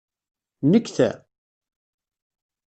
Nnek ta?